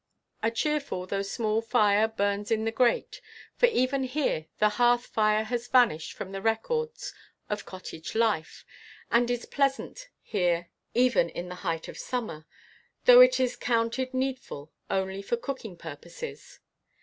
A cheerful though small fire burns in the grate for even here the hearth fire has vanished from the records of cottage life and is pleasant here even in the height of summer, though it is counted needful only for cooking purposes.